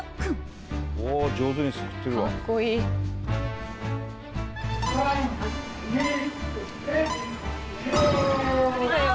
上手にすくってるわ。